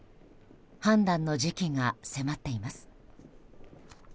判断の時期が迫っています。